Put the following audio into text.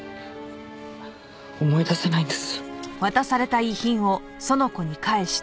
思い出せないんです。